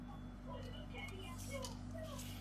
環景影片分享